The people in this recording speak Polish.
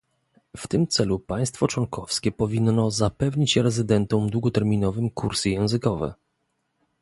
W tym celu państwo członkowskie powinno zapewnić rezydentom długoterminowym kursy językowe